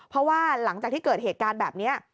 เพราะว่าหลังจากที่เกิดเหตุการณ์แบบนี้